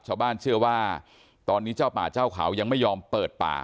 ชาวบ้านเชื่อว่าตอนนี้เจ้าป่าเจ้าเขายังไม่ยอมเปิดป่า